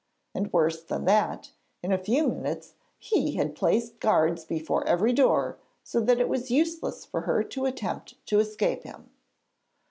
And worse than that: in a few minutes he had placed guards before every door, so that it was useless for her to attempt to escape him.